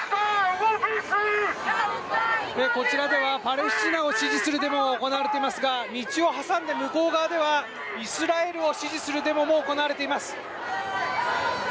こちらではパレスチナを支持するデモが行われていますが道を挟んで向こう側ではイスラエルを支持するデモも行われています。